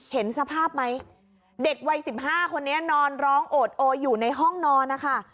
เห็นสภาพไหมเด็กวัย๑๕คนนี้นอนร้องโอดโออยู่ในห้องนอนนะคะ